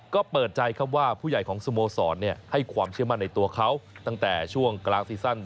ก็เปิดใจครับว่าผู้ใหญ่ของสโมสรให้ความเชื่อมั่นในตัวเขาตั้งแต่ช่วงกลางซีซั่น